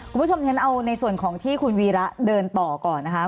คุณผู้ชมฉันเอาในส่วนของที่คุณวีระเดินต่อก่อนนะคะ